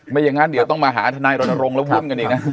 ไม่อย่างนั้นเดี๋ยวต้องมาหาทนายรณรงค์แล้ววุ่นกันอีกนะ